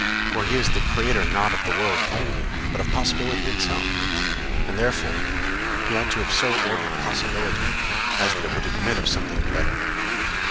For he is the Creator not of the world only, but of possibility itself; and, therefore, he ought to have so ordered possibility as that it would admit of something better.